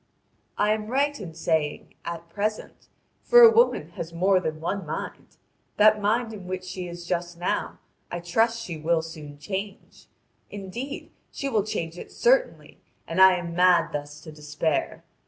I am right in saying 'at present', for a woman has more than one mind. That mind in which she is just now I trust she will soon change; indeed, she will change it certainly, and I am mad thus to despair.